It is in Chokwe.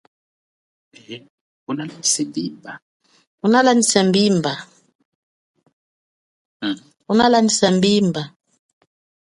Unalandjisa mbimba?